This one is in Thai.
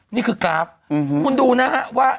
นี่คือกราฟคุณดูนะฮะว่า